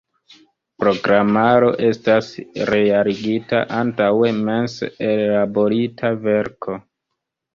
Programaro estas realigita antaŭe mense ellaborita verko.